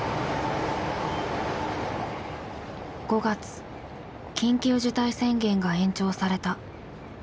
５月緊急事態宣言が延長された。